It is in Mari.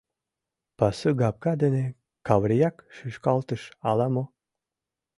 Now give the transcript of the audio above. Пасугапка дене Каврияк шӱшкалтыш ала-мо?..